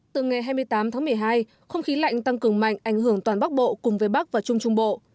từ ngày hai mươi tám tháng một mươi hai không khí lạnh tăng cường mạnh ảnh hưởng toàn bắc bộ cùng với bắc và trung trung bộ